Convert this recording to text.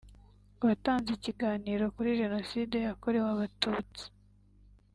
watanze ikiganiro kuri Jenoside yakorewe Abatutsi